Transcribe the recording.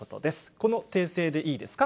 この訂正でいいですか？